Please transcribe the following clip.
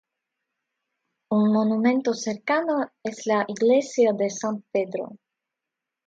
Un monumento cercano es la Iglesia de San Pedro.